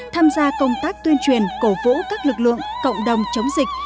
tham gia công tác tuyên truyền cổ vũ các lực lượng cộng đồng chống dịch